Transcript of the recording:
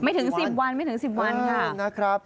ไม่ถึง๑๐วันไม่ถึง๑๐วันค่ะ